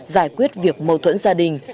giải quyết việc mâu thuẫn gia đình